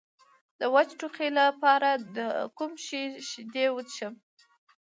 د وچ ټوخي لپاره د کوم شي شیدې وڅښم؟